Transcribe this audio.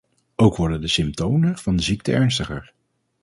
Ook worden de symptomen van de ziekte ernstiger.